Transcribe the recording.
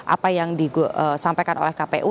apa yang disampaikan oleh kpu